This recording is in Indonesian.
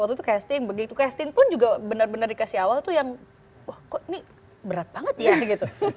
waktu itu casting begitu casting pun juga benar benar dikasih awal tuh yang wah kok ini berat banget ya begitu